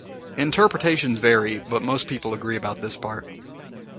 Interpretations vary, but most people agree about this part.